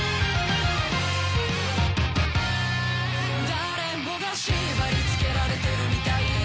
誰もが縛り付けられてるみたいだ